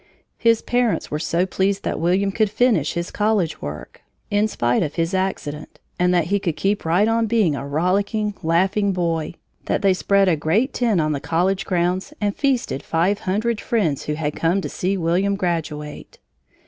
His parents were so pleased that William could finish his college work, in spite of his accident, and that he could keep right on being a rollicking, laughing boy, that they spread a great tent on the college grounds and feasted five hundred friends who had come to see William graduate.